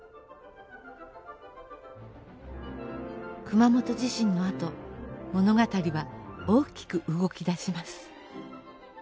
熊本地震のあと物語は大きく動きだします。